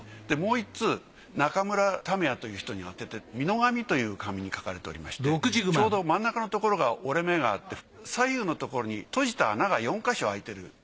でもう１通中村為弥という人に宛てて美濃紙という紙に書かれておりましてちょうど真ん中のところが折れ目があって左右のところにとじた穴が４か所開いてる。